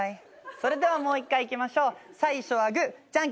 それではもう１回いきましょう最初はグーじゃんけんぽん。